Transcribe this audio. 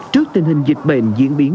trước tình hình dịch bệnh diễn biến